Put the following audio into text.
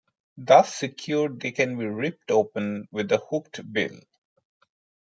Thus secured they can be ripped open with the hooked bill.